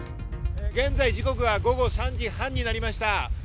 現在、時刻は午後３時半になりました。